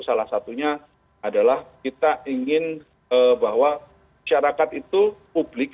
salah satunya adalah kita ingin bahwa syarikat itu publik